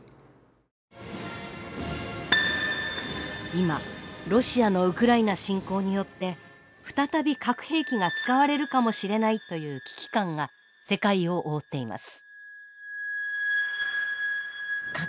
今ロシアのウクライナ侵攻によって再び核兵器が使われるかもしれないという危機感が世界を覆っています。